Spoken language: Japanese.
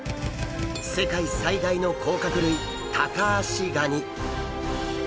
世界最大の甲殻類タカアシガニ。